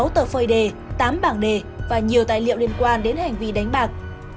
sáu tờ phơi đề tám bảng đề và nhiều tài liệu liên quan đến hành vi đánh bạc